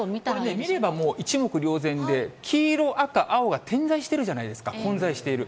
これね、見れば一目瞭然で、黄色、赤、青が点在してるじゃないですか、混在している。